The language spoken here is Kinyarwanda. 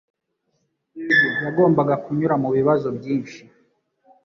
Yagombaga kunyura mubibazo byinshi.